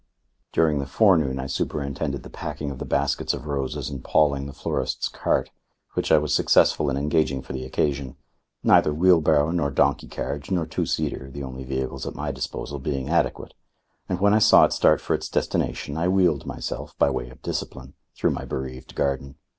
During the forenoon I superintended the packing of the baskets of roses in Pawling the florist's cart, which I was successful in engaging for the occasion, neither wheelbarrow nor donkey carriage nor two seater, the only vehicles at my disposal, being adequate; and when I saw it start for its destination, I wheeled myself, by way of discipline, through my bereaved garden.